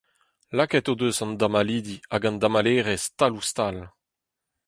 Lakaet o deus an damallidi hag an damallerez tal ouzh tal.